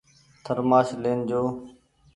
ٿرمآش لين جو۔